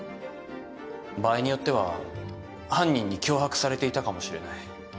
場合によっては犯人に脅迫されていたかもしれない。